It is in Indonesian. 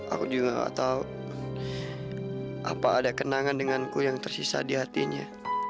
aku juga gak tahu apa ada kenangan denganku yang tersisa di hatinya